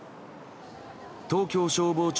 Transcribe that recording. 東京消防庁